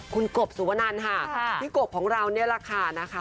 คุณกบสุวนันค่ะพี่กบของเรานี่แหละค่ะนะคะ